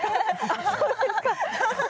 あっそうですか。